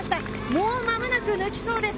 もうまもなく抜きそうです。